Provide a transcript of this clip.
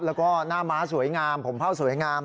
แล้วก็หน้าม้าสวยงามผมเผ่าสวยงาม